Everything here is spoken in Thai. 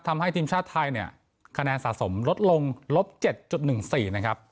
ทำให้ทีมชาติไทยเนี่ยคะแนนสะสมลดลงลบเจ็ดจุดหนึ่งสี่นะครับ